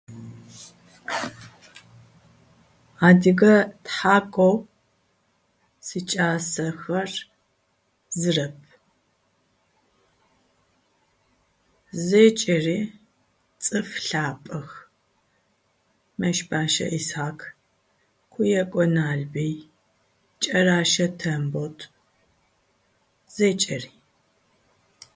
Адыгэ тхьакӏоу сикӏасэхэр зырэп. Зэкӏэри цӏыф лъапӏэх. Мэщбэщӏэ Исхьакъ, Къуекъо Налбый, Кӏэращэ Тембот зэкӏэри.